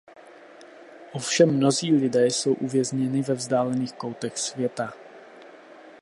Ovšem mnozí lidé jsou uvězněni ve vzdálených koutech světa.